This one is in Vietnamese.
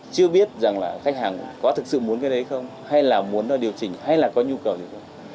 chưa biết rằng là khách hàng có thực sự muốn cái đấy không hay là muốn nó điều chỉnh hay là có nhu cầu gì không